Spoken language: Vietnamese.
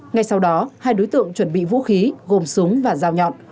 ngay sau đó hai đối tượng chuẩn bị vũ khí gồm súng và dao nhọn